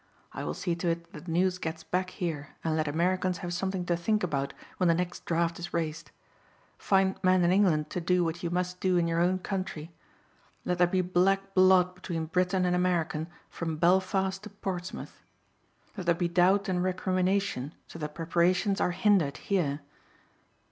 I will see to it that the news gets back here and let Americans have something to think about when the next draft is raised. Find men in England to do what you must do in your own country. Let there be black blood between Briton and American from Belfast to Portsmouth. Let there be doubt and recrimination so that preparations are hindered here."